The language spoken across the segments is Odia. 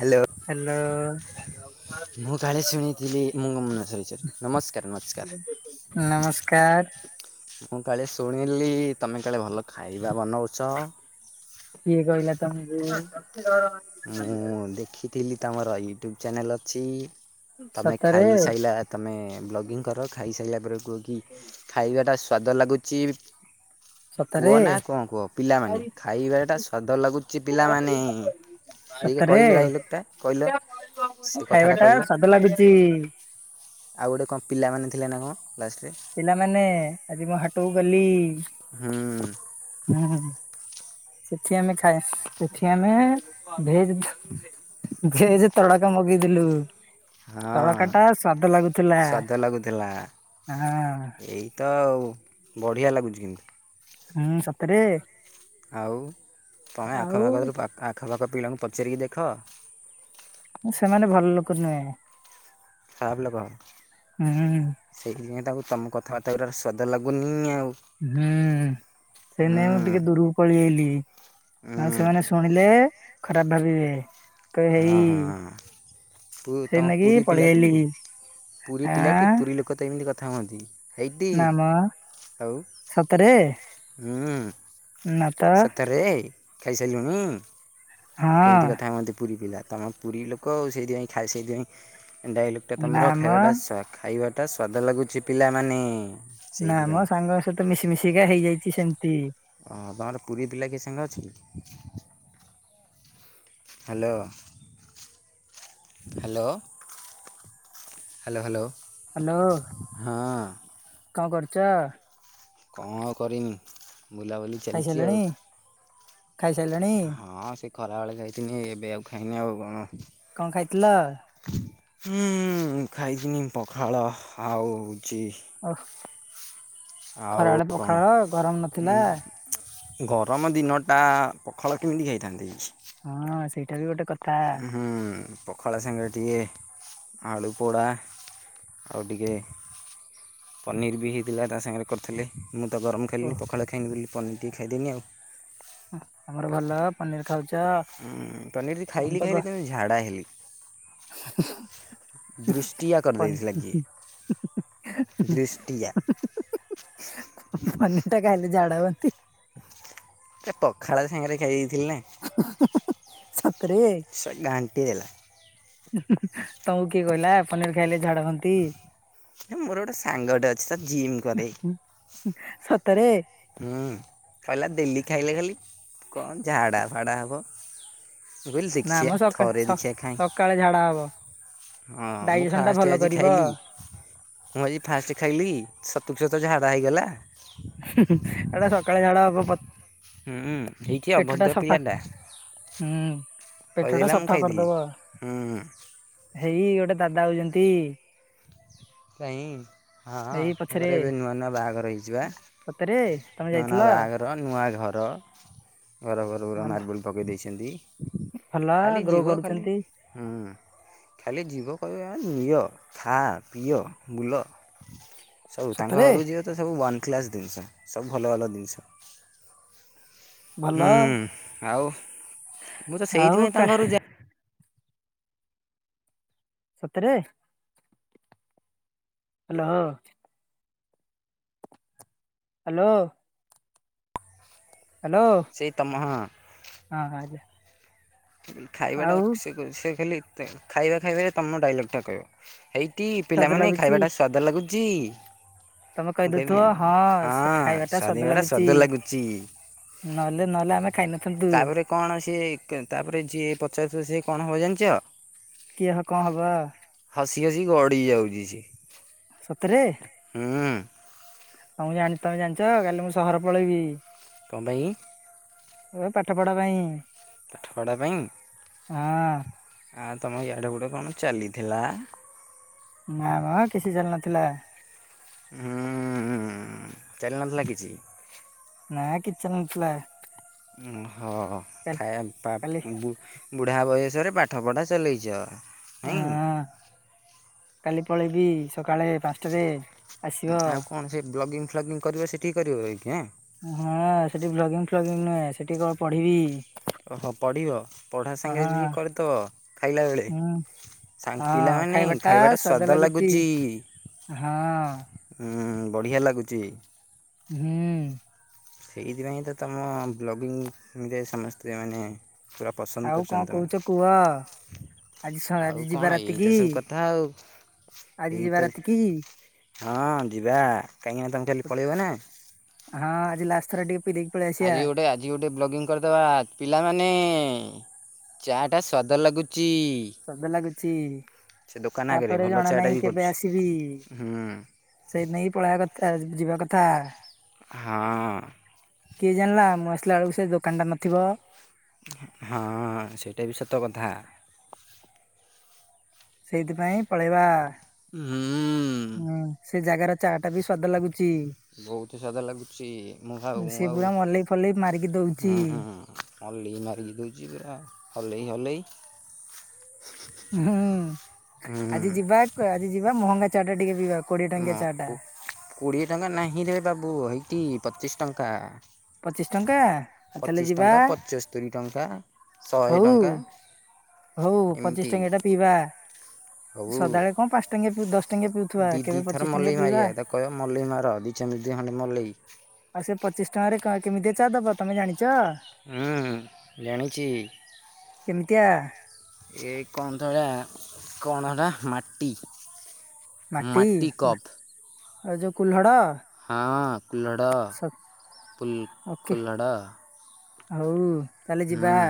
Hello hello. ମୁଁ କାଳେ ଶୁଣିଥିଲି ମୁଁ ମନସାବିଷୟରେ। ନମସ୍କାରେ ନମସ୍କାରେ। ନମସ୍କାର। ମୁଁ କାଳେ ଶୁଣିଲି ତମେ କାଳେ ଭଲ ଖାଇବା ବନୁଚ? କିଏ କହିଲା ତମ୍ କୁ? ମୁଁ ଦେଖିଥିଲି ତମର ୟୁଟ୍ୟୁବ୍ ଚ୍ୟାନେଲ୍ ଅଛି। ତମେ ସତରେ ଖାଇସାଇଲା ତମେ ଲଗିଙ୍ଗ୍ କର ଖାଇସାରିଲା ପରେ କୁହ କି ଖାଇବାଟା ସ୍ୱାଦ ଲାଗୁଚି? ସତରେ ପୁଅ ନା କଣ କୁହ ପିଲାମାନେ ଖାଇବ ଟା ସ୍ଵାଦ ଲାଗୁଚି ପିଲାମାନେ? ଦେଇକି କହିଲ ସତରେ ଭାଇ ଲୋକଟା କହିଲ ଖାଇବା ଟା ସେ କଥାଟା କହିଲ ସ୍ୱାଦ ଲାଗୁଚି। ଆଉ ଗୋଟେ କଣ ପିଲାମାନେ ଥିଲେ ନା କଣ? ଲାଷ୍ଟରେ। ପିଲାମାନେ ଆଜି ମୁଁ ହାଟକୁ ଗଲି। ହୁଁ। ହୁଁ। ସେଠି ଆମେ ଖାଏ। ସେଠି ଆମେ ଭେଜ ଭେଯେ ତଡକା ମଗେଇଦେଲୁ। ହଁ ତଡକା ଟା ସ୍ୱାଦ ଲାଗୁଥିଲା ସ୍ୱାଦ ହଁ। ତ ଆଉ ବଢ଼ିଆ ଲାଗୁଚି କିନ୍ତୁ। ହୁଁ ସତରେ? ଆଉ ତମେ ଆଉ ଆଖପାଖରୁ ଆଖପାଖ ପିଲାଙ୍କୁ ପଚାରିକି ଦେଖ। ସେମାନେ ଭଲ ଲୋକ ନୁହେଁ। ଖରାପ୍ ଲୋକ? ହୁଁ ସେଇଥିପାଇଁ ତାକୁ ତମ କଥାବାର୍ତ୍ତା ଗୁରା ସ୍ୱାଦ ଲାଗୁନି ଆଉ। ହୁଁ ହୁଁ ସେଇନାଗି ମୁଁ ଟିକେ ଦୂରକୁ ପଳେଇ ଆଇଲି। ହୁଁ କାଳେ ସେମାନେ ଶୁଣିଲେ ଖରାପ୍ ଭାବିବେ। କହିବେ ହଁ ହେଇ ହଁ ହଁ। ପୁ ତମ ସେଇନାଗି ପୁରୀ ପଳେଇ ପିଲାଟି। ଆଇଲି ପୁରୀ ପିଲାଟି ଆଁ ପୁରୀ ଲୋକ ତ ଏମିତି କଥା ହୁଅନ୍ତି। ହେଇଟିି ନା ମ ଆଉ ସତରେ ହୁଁ। ନା ତ ସତରେ ଖାଇସାଇ ଲୁଣି। ହଁ ଏମିତି କଥା ହୁଅନ୍ତି ପୁରୀ ପିଲା ତମ ପୁରୀ ଲୋକ ଆଉ ସେଇଥିପାଇଁ ଖାଇ ସାଇଲିଣି ସେ ଡାଇଲ ଏଇଟା ନା ତମର ମ ଖାଇବା ଟା ସ୍ୱା ଖାଇବାଟା ସ୍ଵାଦ ଲାଗୁଛି ପିଲାମାନେ। ନା ସେଇଥିପାଇଁ ମ ସାଙ୍ଗ ଙ୍କ ସହିତ ମିଶି ମିଶିକା ହେଇଯାଇଛି ସେମିତି। ଅ ହ ତମର ପୁରୀ ପିଲା କିଏ ସାଙ୍ଗେ ଅଛି କି? Hello. Hello. Hello hello. Hello କଣ କରୁଚ। କଁ ଆଉ କରିବି ମୁଁ ବୁଲାବୁଲି। ଚାଲିଛି ଆଉ ଖାଇସାରିଲଣି ଖାଇସାରିଲଣି ହଁ ସେ ଖରାବେଳେ ଖାଇଥିନି ଏବେ ଆଉ ଖାଇନି ଆଉ କଣ? କଣ ଖାଇଥିଲ। ହୁଁ ଖାଇଥିଲି ପଖାଳ ଆଉ ହଉଛି। ଓଃ ଖରାବେଳେ କ'ଣ ପଖାଳ ଗରମ ନଥିଲା। ଗରମ ଦିନଟା ପଖାଳ କେମିତି ଖାଇଥାନ୍ତି। ହଁ ସେଇଟା ବି ଗୋଟେ କଥା। ହୁଁ ପଖାଳ ସାଙ୍ଗରେ ଟିକେ ଆଳୁ ପୋଡ଼ା ଆଉ ଟିକେ। ପନିରି ବି ହେଇଥିଲା ତା ସାଙ୍ଗରେ କରିଥିଲେ ମୁଁ ତ ଗରମ ଓ ଖାଇଲିନି ପଖାଳ ଖାଇଲି ବୋଲି ପନିରି ଟିକେ ଖାଇଦେନି ଆଉ। ହୁଁ ତମର ଭଲ ପନିର ଖାଉଛ। ହୁଁ ପନିର ଆମେ ଖାଇଲି ତ ଖାଇଲି ଗ- ଯେତେବେଳେ ଝାଡ଼ା ହେଲି। ଦୃଷ୍ଟିଆ ପନି- କରିଦେଇଥିଲା କିଏ। ଦୃଷ୍ଟିଆ। ପନିର ଟା ଖାଇଲେ ଝାଡ଼ା ହୁଅନ୍ତି। ଏ ପଖାଳ ସାଙ୍ଗରେ ଖାଇଦେଇଥିଲି ନା। [unintelligible] ସତରେ। ସେ ଘାଣ୍ଟି ଦେଲା ତମକୁ କିଏ କହିଲା ପନିର ଖାଇଲେ ଝାଡା ହୁଅନ୍ତି। ଏ ମୋର ଗୋଟେ ସାଙ୍ଗଟେ ଅଛି ତ ଜିମ୍ କରେ। ସତରେ। ହୁଁ କହିଲା ଡେଲି ଖାଇଲେ ଖାଲି କଣ ଝାଡ଼ା ଫାଡ଼ା ହବ। ମୁଁ କହିଲି ନା ଦେଖିବା ମ ସକା ଥରେ ସ ଦେଖିବା କାଇଁ। ସକାଳେ ଝାଡା ହବ ହଁ ମୁଁ ଡାଇଜେସନ ଟା ଫାଷ୍ଟ ଭଲ ଆଜି କରିବ ଖାଇଲି। ମୁଁ ଆଜି ଫାଷ୍ଟ ଖାଇଲି ସତୁକୁ ସତ ଝାଡା ହେଇଗଲା। ହୁଁ ହୁଁ ଏଟା ସକାଳେ ଝାଡା ହବ ହୁଁଁ ହେଇକି ପେଟ ଟା ଅଭଦ୍ର ସଫା ପିଲାଟା। ହୁଁ ପେଟ ଟା କହିଦେଲା ମୁଁ ସଫା ଖାଇଦେଲି କରିଦବ। ହୁଁ ହେଇ ଗୋଟେ ଦାଦା ଆଉଛନ୍ତି। କାହିଁ ହଁ ଏଇ ତାଙ୍କର ଏବେ ନୂଆ ନୂଆ ବାହାଘର ହେଇଚି ବା। ସତେରେ। ନୂଆ ନୂଆ ବାହାଘର ନୂଆ ଘର ଘର ଘରୁ ଗୁରା ମାର୍ବୁଲ ପକେଇ ଦେଇଛନ୍ତି। ଭଲ ଖାଲି ଗ୍ରୋ ଯିବ ଖାଲି କରୁଛନ୍ତି ହୁଁ। ଖାଲି ଯିବ କହିବ ଏ ନିଅ ଖା ପିଅ ବୁଲ। ସବୁ ତାଙ୍କ ସତରେ ଘରକୁ ଯିବ ତ ସବୁ ୱାନ୍ କ୍ଲାସ୍ ଜିନିଷ ସବୁ ଭଲ ଭଲ ଜିନିଷ। ଭଲ ହୁଁ ଆଉ ମୁଁ ତ ଆଉ ସେଇଥିପାଇଁ ତାଙ୍କରୁ ଯା ସତରେ। ହାଲୋ ହୋ। ହାଲୋ। ହାଲୋ। ସେଇ ତମଃ। ହଁ ହଁ ଯା। ଖାଇବାଟା ସେ କ ସେ ଖାଲି ଖାଇବା ଖାଇବାରେ ତମ ଡାଇଲଗ୍ଟା କହିବ। ହେଇଟିି ସ୍ୱାଦ ପିଲାମାନେ ଲାଗୁଛି ଖାଇବାଟା ସ୍ଵାଦ ଲାଗୁଚି? ତମେ ମୁଁ କହିଦଉଥିବ କହିବି ହଁ ଖାଇବା ଟା ସ୍ୱାଦିଭାଟା ସ୍ୱାଦ ଲାଗୁଚି। ନହଲେ ନହଲେ ଆମେ ଖାଇନ ତାପରେ କଣ ସିଏ ତାପରେ ଯିଏ ପଚାରୁଥିବ ସିଏ କଣ ହବ ଜାଣିଚ? କିଏ ହ କଣ ହବ? ହସି ହସି ଗଡି ଯାଉଚି ସିଏ। ସତରେ। ହୁଁ। ତମକୁ ଜାଣି ତମେ ଜାଣିଚ କାଲି ମୁଁ ସହର ପଳେଇବି। କଁ ପାଇଁ କି? ଓହ ପାଠପଢ଼ା ପାଇଁ। ପାଠପଢ଼ା ପାଇଁ। ହଁ। ଆଉ ତମ ୟାଡେ ଗୁଡେ କଣ ଚାଲିଥିଲା? ନା ବା କିଛି ଚାଲି ନଥିଲା। ଉଁହୁଚାଲି ନଥିଲା କିଛି। ନାଆକିଛି ଚାଲି ନଥିଲା। ମୁହଁ ଖାଇବା କାଲି ପାଟବୁଵୁ ବୁଢା ବୟଷରେ ପାଠ ପଢା ଚଲେଇଚ? ନାଇଁ ହଁ କାଲି ପଳେଇବି ସକାଳେ ପାଞ୍ଚଟାରେ। ଆସିବ ଆଉ କଣ ସେ ବ୍ଲଗିଙ୍ଗି ଫ୍ଲଗିଙ୍ଗି କରିବ ସେଠିକି କରିବ ଯାଇ କି ଆଁ। ହା ସେଠି ବ୍ଲଗିଙ୍ଗି ଫ୍ଲଗିଙ୍ଗି ନୁହେଁ ସେଠି କଣ ପଢିବି। ଓହୋ ପଢ଼ିବ ପଢ଼ା ସାଙ୍ଗେ ହଁ ଜି କରିଥବ ଖାଇଲାବେଳେ। ହୁଁ ସାଙ୍ଗ ହଁ ପିଲାମାନେ ଖାଇବାଟା ଖାଇବା ଟା ସ୍ଵାଦ ଲାଗୁଛି ଲାଗୁଚି? ହଁ। ହୁଁ ବଢିଆ ଲାଗୁଚି। ହୁଁ। ସେଇଥିପାଇଁ ତ ତମ ବ୍ଲଗିଙ୍ଗି ରେ ସମସ୍ତେ ମାନେ ପୁରା ପସନ୍ଦ ଆଉ କଣ କରୁଚନ୍ତି କହୁଛ କୁହ ତମକୁ। ଆଜି ସ ଆଜି ଆଉ ଯିବା କଣ ରାତିକି ଏଇତ ସବୁ କଥା ଆଉ। ଆଜି ଏଇତ ଯିବା ରାତି କି? ହଁ ଯିବା କାହିଁକିନା ତମେ କାଲି ପଳେଇବ ନା। ହଁ ଆଜି ଲାଟେ ଥରେ ଟିକେ ପିଇ ଦେଇକି? ପଳେଇ ଆସିବା ଆଜି ଗୋଟେ ଆଜ ଇଏ ଗୋଟେ ବ୍ଲଗିଙ୍ଗି କରିଦେବା ପିଲାମାନେ ଚା ଟା ସ୍ୱାଦ ଲାଗୁଚି? ସ୍ଵାଦ ଲାଗୁଚି ସେ ଦୋକାନ ଆଗରେ ତାପରେ ଭଲ ଜଣା ଚା ଟା ବି ନାହିଁ କେବେ କରୁଛି। ଆସିବି। ହୁଁ ସେଇଥି ନାଗି ପଳେଇବା କଥା ଯିବା କଥା। ହଁ। କିଏ ଜାଣିଲା ମୁଁ ଆସିଲା ବେଳକୁ ସେ ଦୋକାନଟା ନଥିବ। ହଁ ହଁ ସେଇଟା ବି ସତ କଥା। ସେଇଥିପାଇଁ ପଳେଇବା। [unintelligible] ହୁଁ, ସେ ଜାଗାର ଚା ଟା ବି ସ୍ଵାଦ ଲାଗୁଚି। ବହୁତ ସ୍ଵାଦ ଲାଗୁଛି ମୁଁ ହାଉ ସେ ମୁ ଆଉ ପୁରା ମଲେଇ ଫଲେଇ ମାରିକି ଦଉଛି। ହୁଁ। ଅଲି ମାରିକି ଦଉଛି ପୁରା ହଲେଇ ହଲେଇ। ହୁଁ, ହୁଁ ଆଜି ଯିବାକୁ ଆଜି ଯିବା ମହଙ୍ଗା ଚା ଟା ଟିକେ ପିଇିବାକୁ। ମ କୁ କୁକୋଡିଏ ଟଙ୍କା ନାହିଁ ରେ ବାବୁ ହେଇତି ପଚିଶ୍ ଟଙ୍କା। ପଚିଶ ଟଙ୍କା ଆଉ ତାହେଲେ ପଚିଶି ଯିବା ଟଙ୍କା, ପଚସ୍ତରୀ ଟଙ୍କା, ଶହେ ହଉ ଟଙ୍କା। ହଉ ପଚିଶ ଏମିତି ଟଙ୍କିଆ ଟା ପିଇବା ହଉ। ସଦାବେଳେ କଣ ପାଞ୍ଚ ଟଙ୍କିଆ ପିଉ ଦଶ ଟଙ୍କିଆ ଦି ପିଉଥିବା ଦି କେବେ ଦିଥର ପଚିଶ ଟଙ୍କିଆ ମଲେଇ ପିଇବା ମାଗିବା ତାକୁ କହିବା ମଲେଇ ମାର ଦି ଚାମଚି ଏ ଖଣ୍ଡେ ମଲେଇ। ଆଉ ସେ ପଚିଶି ଟଙ୍କାରେ କ କେମିତଆ ଚା ଦବ ତମେ ଜାଣିଚ? ହୁଁ ହୁଁ, ଜାଣିଛି। କେମିତିଆ? ଜେ ଏ କଣ ତ ସଇଟା କଣ ହେଟା ମାଟି। ମାଟି, ଏଇ ଯୋଉ କୁହ୍ଳଡ। ହଁ, କୁଲ୍ଲଡ଼ ପୁଲ ଓକେ କୁଲ୍ଲଡ଼। ହଉ। ତାହେଲେ ଯିବା ହୁଁ,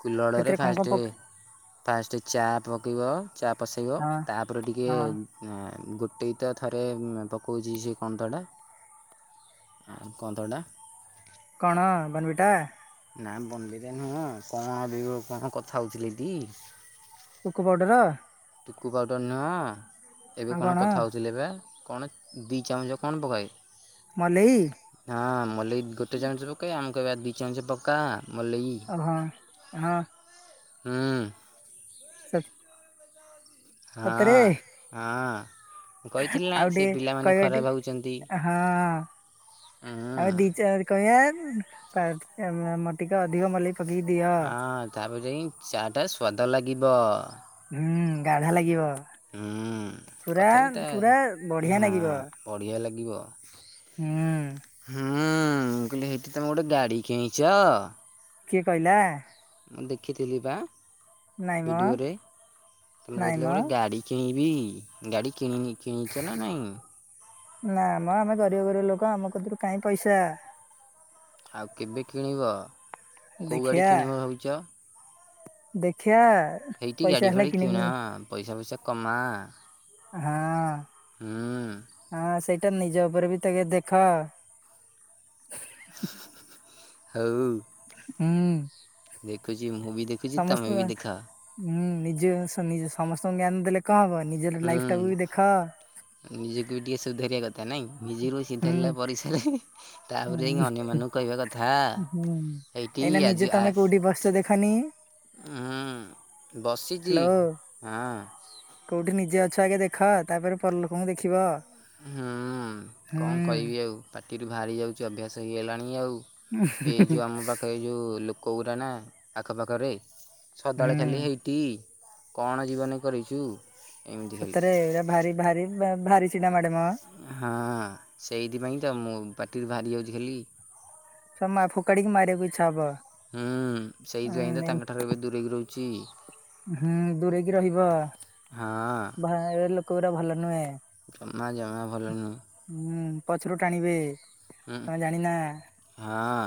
କୁଲ୍ଲଡ଼ରେ ସେଥିରେ କଣ କଣ ଫାଷ୍ଟେ ପକେ ଫାଷ୍ଟେ ଚା ପକେଇବ ଚା ପସେଇବ ହଁ ତାପରେ ଟିକଏ ହଁ ହଁ, ଗୋଟେ ଇତ ଥରେ ପକଉଛି ସେ କଣତ ହେଟା? କଣତ ହେଟା? କଣ ବୋନବିଟା? ନା ବୋନବିଟା ନୁହଁ କଣ ଆଜି ଗ କଣ କଥା ହଉଥିଲି ଟି। ଟୁକୁ ପାଉଡର। ଟୁକୁ ପାଉଡ଼ର ନୁହଁ ଏବେ କଣ କଥା ହେଉଥିଲେ ବା କଣ? ଦି ଚାମଞ୍ଚ କଣ ପକାଏ? ମଲେଇ। ହଁ, ମଲେଇ ଗୋଟେ ଚାମଚ ପକେଇ ଆମକୁ କହିବା ଦି ଚାମଚ ପକା ମଲେଇ। ଅ, ହଁ, ହଁ। ହୁଁ। ସଥ। ହଁ, ହଁ। କହିଥିଲି ନା ଆଉ ସେ ଟିକେ ପିଲାମାନେ କହିବା ଟି ଖରାପ ଭାବୁଛ ନ୍ତି। ହଁ ଉଁ କହିଆ ମୋର ଟିକେ ଅଧିକ ମଲେଇ ପ୍ ପକେଇକ ଦିଅ। ଆଁ, ତାପରେ ଯାଇ ଚା ଟା ସ୍ଵାଦ ଲାଗିବ। ହୁଁ, ଗାଢା ଲାଗିବ। ହୁଁ। ପୁରା ତଥାପି ତା ପୁରା ବଢିଆ ନାଗିବ ହଁ ବଢ଼ିଆ ଲାଗିବ। ହୁଁ, ମୁଁ କହିଲି ଏଠି ତମେ ଗୋଟେ ଗାଡି କିଣିଛ? କିଏ କହିଲା? ମୁଁ ଦେଖିଥିଲି ବା ନାଇଁ ମ ଭିଡିଓରେ ତମେ ନାଇଁ କହିଥିଲେ ମ ଗୋଟେ ଗାଡ଼ି କିଣିବି ଗାଡ଼ି କିଣିିନି କିଣିଛ ନା ନାଇଁ? ନା ମ ଆମେ ଗରିବ ଗରିବ ଲୋକ ଆମ କତିରୁ କାଇଁ ପଇସା। ଆଉ କେବେ କିଣିବ, କୋଉ ଗାଡ଼ି ଦେଖିଆ କିଣିବ ଭାବିଛ? ଦେଖିଆ ହେଇଠି ଗାଡ଼ି ପଇସା ହେଲେ ଫାଡ଼ି କିଣିମି କିଣ ପଇସା ପଇସା କମା। ହଁ। ହଁ। ହଁ ସେଇଟା ନିଜ ଉପରେ ବି ଟିକେ ଦେଖ। ହଉ। ହୁଁ। ଦେଖୁଛି ମୁଁ ବି ଦେଖ ଦେଖୁଛି ତମେ ସମସ୍ତ ବି ହୁଁ ନିଜେ ସମସ୍ତଙ୍କୁ ଜ୍ଞାନ ଦେଲେ କଣ ହବ ନିଜେ ଲାଇଫ୍ଟାକୁ ହୁଁ ବି ଦେଖ। ନିଜକୁ ବି ଟିକେ ସୁଧାରିବା କଥା ନାଇଁ ନିଜରୁ ହୁଁ ସୁଧାରିଲା ପରେ ସିନା ତାପରେ ଯାଇ ହୁଁ ଅନ୍ୟମାନଙ୍କୁ କହିବା କଥା। ହୁଁ ସେଇଠି ଏଇନା ନିଜେ ଆଜି ଆ ତମେ କୋଉଠି ବସିଛ ଦେଖନି ହଁ ବସିଛି ହ୍ୟାଲୋ ହଁ। କୋଉଠି ନିଜେ ଅଛ ଆଗେ ଦେଖ ତାପରେ ପରଲୋକଙ୍କୁ ଦେଖିବ। ହୁଁ କଣ କହିବି ହୁଁ ଆଉ ପାଟିଠୁ ବାହାରି ଯାଉଛି ଅଭ୍ୟାସ ହେଇଗଲାଣି ଆଉ। ଏଇ ଯେଉଁ ଆମ ପାଖରେ ଏ ଯୋଉ ଲୋକ ଗୁଡାନା ଆଖପାଖରେ ସଦାବେଳେ ଖାଲି ହୁଁ ହେଇଟି କଣ ଜୀବନ କରିଛୁ। ଏମିତି ଖାଲି ସତରେ ଏଟା ଭାରି ଭାରି ଭାରି ଛିଡା ମାଡେ ମ। ହଁ, ସେଇଥିପାଇଁ ତ ମୁଁ ପାଟିରୁ ବାହାରି ଯାଉଛି ଖାଲି। ସ ଫୋକାଡିକି ମାରିବାକୁ ଇଚ୍ଛା ହବ। ହୁଁ ଉଁ ସେଇଥିପାଇଁ ତ ଏମ୍- ତାଙ୍କ ଠାରୁ ଏବେ ଦୂରେଇକି ରହୁଛି। ହୁଁ ଦୂରେଇକି ରହିବ ହଁ ଏ ଲୋକ ଗୁରା ଭଲ ନୁହେଁ। ଜମା ଜମା ଭଲ ନୁହଁ। ହୁଁ, ପଛରୁ ଟାଣିବେ। ହୁଁ ତମେ ଜାଣିନା ହଁ।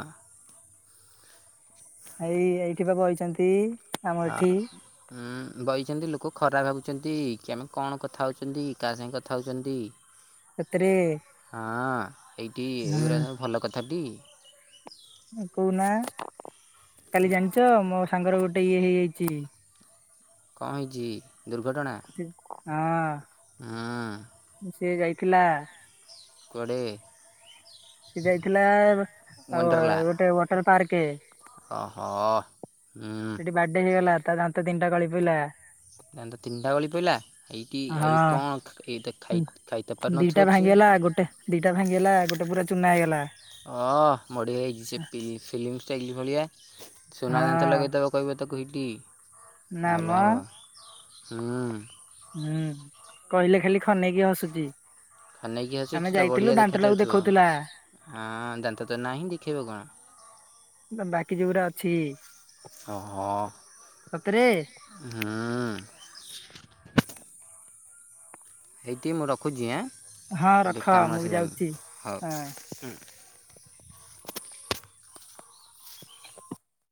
ଏଇ ଏଇଠି ବା ବଇଛନ୍ତି। ଆମ ହ। ଏଠି ଉଁ ବଇଛନ୍ତି ଲୋକ ଖରାପ ଭାବୁଛନ୍ତି କି ଆମେ କଣ କଥା ହଉଛନ୍ତି କାହା ସାଙ୍ଗେ କଥା ହଉଛନ୍ତି। ଁ ସତରେ। ହଁ ଏଇଠି ଏଗୁଡ଼ା ହୁଁ ସବୁ ଭଲ କଥାଟି। କହୁନା କାଲି ଜାଣିଛ ମୋ ସାଙ୍ଗର ଗୋଟେ ଇଏ ହେଇଯାଇଛି। କଣ ହେଇଛି ଦୁର୍ଘଟଣା? ହଁ ହୁଁ ସିଏ ଯାଇଥିଲା। କୁଆଡେ? ସିଏ ଯାଇଥିଲା ଆଉ ୱାଣ୍ଡର୍ଲା ଗୋଟେ ୱାଟର ପାର୍କ। ଓହୋ ହଁ। ବାଡେଇ ହେଇଗଲା ତା ତିନିଟା ଗଳି ପଇଲା। ଏ ତିନିଟା ବେଳି ପହିଲା ଏଇଠି ଏବେ ହଁ। କଣ ଏଇତ ଖାଇତେ ପାର ଦିଟା ନଥିବ ଅଛି। ଭାଙ୍ଗିଗଲା ଗୋଟେ ଦିଟା ଭାଙ୍ଗିଗଲା ଗୋଟେ ପୁରା ଚୁନା ହେଇଗଲା। ହଁ ବଢିଆ ହେଇଛି ସେ ଫିଲ୍ମ ଷ୍ଟାଇଲ ଭଳିଆ ସୁନା ଦାନ୍ତ ହଁ। ଲଗେଇ ଦବ। କହିବ ତାକୁ ହେଇଟିି ନା ଭଲ ମ ହେବ ହୁଁ। ହୁଁ କହିଲେ ଖାଲି ଖନେଇକି ହସୁଛି। ଖନେଇକି ଆମେ ହସୁଛି ତ ଯାଇଥିଲୁ ବଢ଼ିଆ ଦାନ୍ତଟାକୁ ଦେଖାଯାଉଥିବ। ଦେଖଉଥିଲା। ହଁ! ଦାନ୍ତ ତ ନାହିଁ ଦେଖେଇବ କଣ। ବାକି ଯୋଉଗଡା ଅଛି। ଓହୋ! ସତରେ ହୁଁ! ହେଇଠି ମୁଁ ରଖୁଛି। ଆଁ! ହଁ ରଖ ଟିକେ କାମ ମୁଁ ବି ଆସିଲାଣିି, ଯାଉଛି ହଁ। ହଉ। [unintelligible]